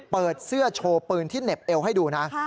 เปิดเสื้อโชว์ปืนที่เหน็บเอวให้ดูนะ